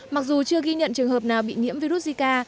mặc dù chưa ghi nhận trường hợp nào bị nhiễm virus zika